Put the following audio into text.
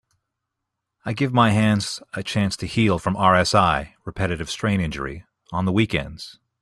I give my hands a chance to heal from RSI (Repetitive Strain Injury) on the weekends.